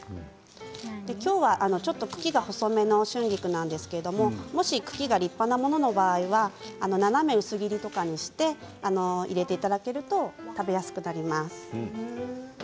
今日は茎が細めの春菊ですがもし茎が立派なものの場合は斜め薄切りとかにして入れていただけると食べやすくなります。